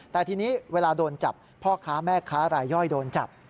แต่ทีนี้เวลาโดนจับพ่อค้าแม่ค้ารายย่อยโดนจับ